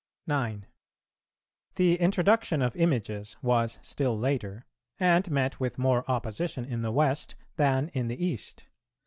9. The introduction of Images was still later, and met with more opposition in the West than in the East.